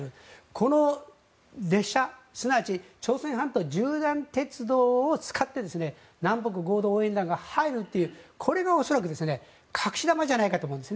この列車、すなわち朝鮮半島の従来の鉄道を使って南北合同応援団が入るというこれが恐らく隠し球じゃないかと思うんです。